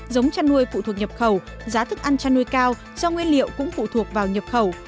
giống chăn nuôi phụ thuộc nhập khẩu giá thức ăn chăn nuôi cao do nguyên liệu cũng phụ thuộc vào nhập khẩu